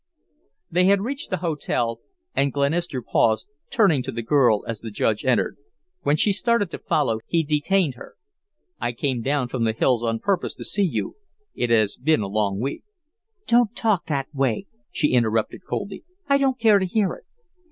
They had reached the hotel, and Glenister paused, turning to the girl as the Judge entered. When she started to follow, he detained her. "I came down from the hills on purpose to see you. It has been a long week " "Don't talk that way," she interrupted, coldly. "I don't care to hear it."